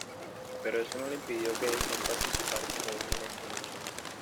Pero eso no le impidió que deseen participar como un elenco en el show.